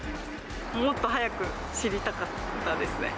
もっと早く知りたかったです